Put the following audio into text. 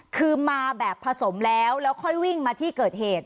คือมาแบบผสมแล้วแล้วค่อยวิ่งมาที่เกิดเหตุ